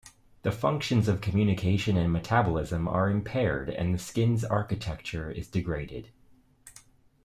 The functions of communication and metabolism are impaired and the skin's architecture is degraded.